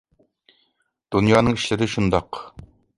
دۇنيانىڭ ئىشلىرى شۇنداق.